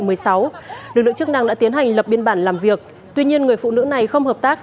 lực lượng chức năng đã tiến hành lập biên bản làm việc tuy nhiên người phụ nữ này không hợp tác